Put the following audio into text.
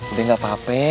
udah gak apa apa